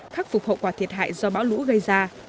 khắc phục hậu quả thiệt hại do bão lũ gây ra